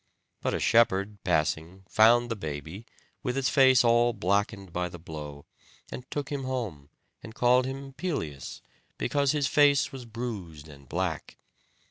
But a shepherd passing found the baby, with its face all blackened by the blow; and took him home, and called him Pelias, because his face was bruised and black.